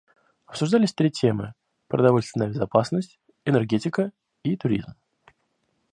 Обсуждались три темы: продовольственная безопасность, энергетика и туризм.